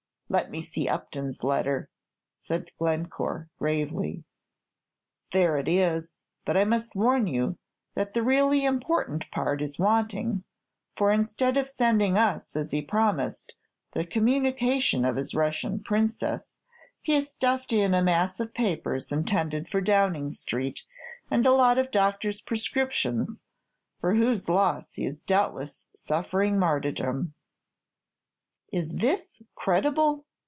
"Let me see Upton's letter," said Glencore, gravely. "There it is. But I must warn you that the really important part is wanting; for instead of sending us, as he promised, the communication of his Russian Princess, he has stuffed in a mass of papers intended for Downing Street, and a lot of doctor's prescriptions, for whose loss he is doubtless suffering martyrdom." "Is this credible?"